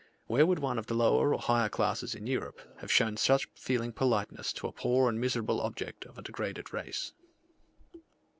Where would one of the lower or higher classes in Europe, have shown such feeling politeness to a poor and miserable object of a degraded race?